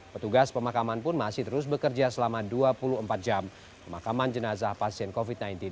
petugas pemakaman pun masih terus bekerja selama dua puluh empat jam pemakaman jenazah pasien covid sembilan belas